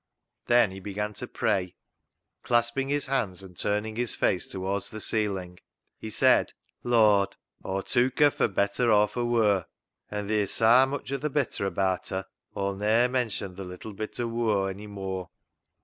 Then he began to pray. Clasping his hands and turning his face towards the ceiling, he said —" Lord, Aw tewk her fur better or for wur, an' theer's sa mitch o' th' better abaat her Aw'll ne'er mention th' little bit o' wur ony mooar.